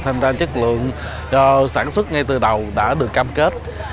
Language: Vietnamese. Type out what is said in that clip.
tham gia chất lượng sản xuất ngay từ đầu đã được cam kết